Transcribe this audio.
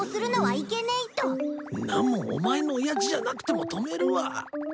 んなもんお前の親父じゃなくても止めるわ。